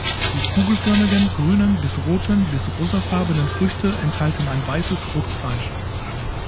Die kugelförmigen, grünen bis roten bis rosafarbenen Früchte enthalten ein weißes Fruchtfleisch.